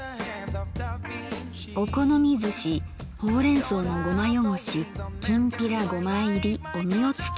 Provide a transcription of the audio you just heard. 「お好みずしほうれん草のごまよごしきんぴらおみおつけ」。